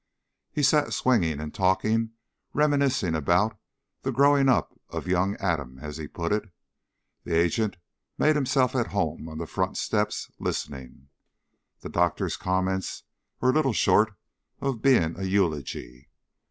He sat swinging and talking, reminiscing about "the growing up of young Adam," as he put it. The agent had made himself at home on the front steps, listening. The doctor's comments were little short of being an eulogy.